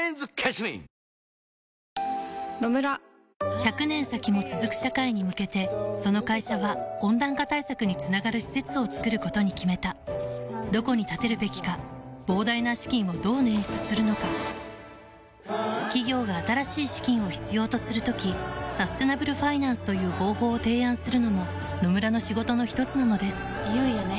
１００年先も続く社会に向けてその会社は温暖化対策につながる施設を作ることに決めたどこに建てるべきか膨大な資金をどう捻出するのか企業が新しい資金を必要とする時サステナブルファイナンスという方法を提案するのも野村の仕事のひとつなのですいよいよね。